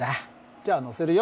じゃあ載せるよ。